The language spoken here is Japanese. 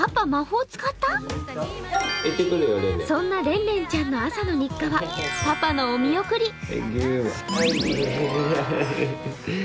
そんなレンレンちゃんの朝の日課はパパのお見送り。